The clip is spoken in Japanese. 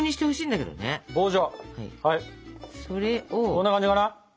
こんな感じかな？